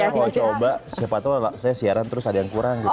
saya mau coba siapa tau saya siaran terus ada yang kurang gitu